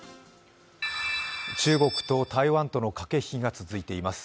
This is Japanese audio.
中国と台湾との駆け引きが続いています。